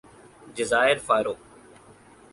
جزائر فارو